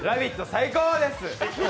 最高です。